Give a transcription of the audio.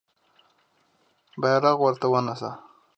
بیرغ ورته ونیسه.